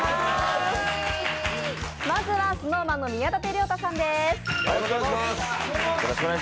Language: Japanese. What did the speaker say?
まずはＳｎｏｗＭａｎの宮舘涼太さんです。